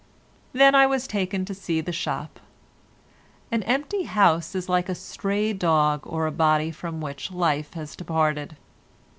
Then I was taken to see the shop. An empty house is like a stray dog or a body from which life has departed.